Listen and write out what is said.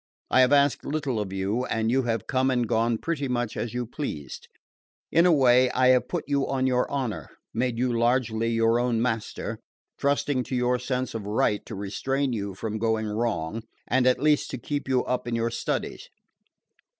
I have asked little of you, and you have come and gone pretty much as you pleased. In a way, I have put you on your honor, made you largely your own master, trusting to your sense of right to restrain you from going wrong and at least to keep you up in your studies.